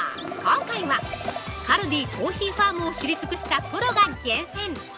今回はカルディコーヒーファームを知り尽くしたプロが厳選！